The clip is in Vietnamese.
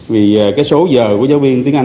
vì cái số giờ của giáo viên tiếng anh